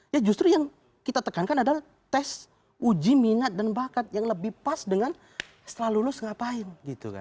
ya justru yang kita tekankan adalah tes uji minat dan bakat yang lebih pas dengan setelah lulus ngapain